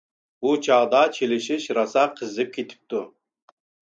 بۇ چاغدا چېلىش راسا قىزىپ كېتىپتۇ.